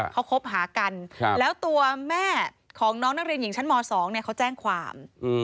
เขาคบหากันแล้วตัวแม่ของน้องนักเรียนหญิงชั้นม๒เขาแจ้งความ